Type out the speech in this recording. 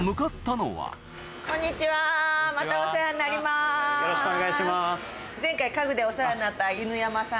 そしてよろしくお願いします。